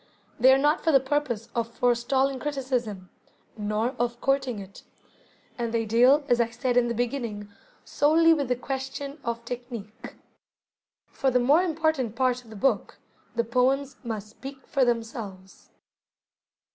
They are not for the purpose of forestalling criticism, nor of courting it; and they deal, as I said in the beginning, solely with the question of technique. For the more important part of the book, the poems must speak for themselves.